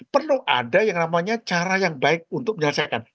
perlu ada yang namanya cara yang baik untuk menyelesaikan